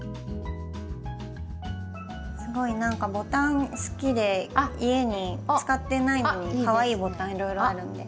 すごい何かボタン好きで家に使ってないのにかわいいボタンいろいろあるので。